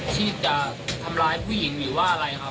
ที่จะทำร้ายผู้หญิงหรือว่าอะไรครับ